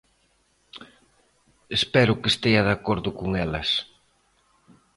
Espero que estea de acordo con elas.